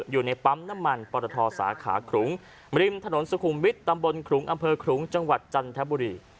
อยู่ในปั๊มน้ำมันปรทสาขาขลุงริมถนนสุขุมวิทย์ตำบลขลุงอำเภอขลุงจังหวัดจันทบุรี